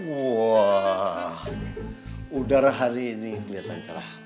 wah udara hari ini kelihatan cerah